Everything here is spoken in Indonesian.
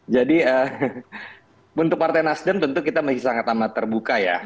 jadi untuk partai nasdem tentu kita masih sangat amat terbuka ya